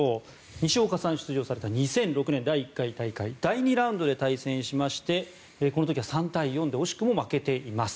西岡さんが出場された２００６年、第１回大会第２ラウンドで対戦しましてこの時は３対４で惜しくも負けています。